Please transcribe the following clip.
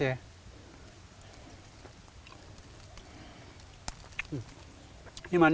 terus bulir airnya bulir airnya